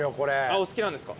お好きなんですか。